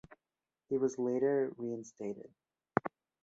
He was later reinstated.